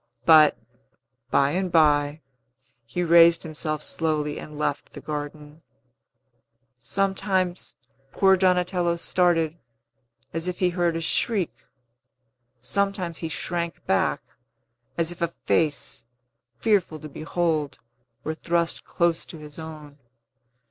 But, by and by, he raised himself slowly and left the garden. Sometimes poor Donatello started, as if he heard a shriek; sometimes he shrank back, as if a face, fearful to behold, were thrust close to his own.